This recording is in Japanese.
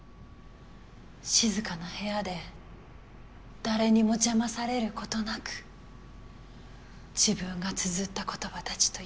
静かな部屋で誰にも邪魔されることなく自分が綴った言葉たちとゆっくり向き合う。